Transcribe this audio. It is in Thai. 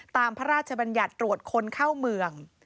พระราชบัญญัติตรวจคนเข้าเมือง